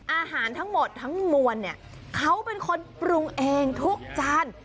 อาหารทั้งหมดทั้งมวลเนี่ยเขาเป็นคนปรุงเองทุกจาน